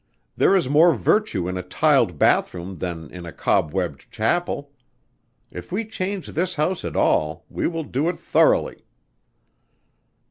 There is more virtue in a tiled bathroom than in a cob webbed chapel. If we change this house at all we will do it thoroughly."